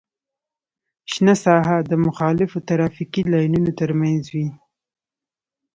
شنه ساحه د مخالفو ترافیکي لاینونو ترمنځ وي